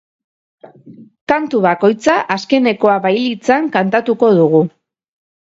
Kantu bakoitza azkenekoa bailitzan kantatuko dugu.